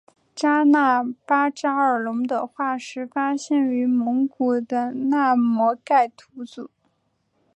扎纳巴扎尔龙的化石发现于蒙古的纳摩盖吐组。